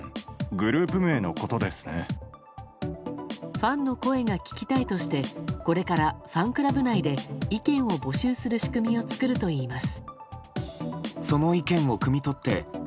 ファンの声が聞きたいとしてこれからファンクラブ内で意見を募集する仕組みを作るといいます。